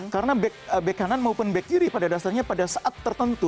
karena back kanan maupun back kiri pada dasarnya pada saat tertentu